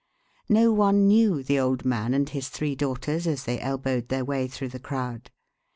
No one knew the old man and his three daughters as they elbowed their way through the crowd.